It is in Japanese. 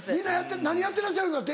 何やってらっしゃるんですか？